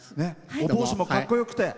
お帽子もかっこよくて。